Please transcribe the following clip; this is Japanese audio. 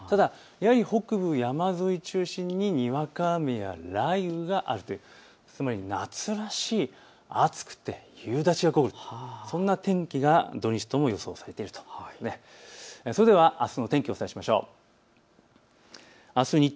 やはり北部山沿いを中心ににわか雨や雷雨があるという予想つまり夏らしい暑くて夕立がくるそんな天気が土日とも予想されているということです。